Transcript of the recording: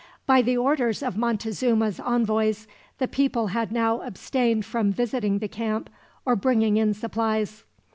By the orders of Montezuma's envoys, the people had now abstained from visiting the camp, or bringing in supplies.